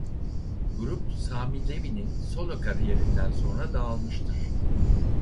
Grup Sami Levi'nin solo kariyerinden sonra dağılmıştır.